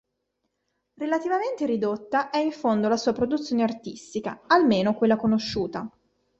Relativamente ridotta è in fondo la sua produzione artistica, almeno quella conosciuta.